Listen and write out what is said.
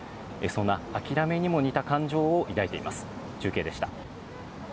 そんな諦めにも似た感情を抱いています。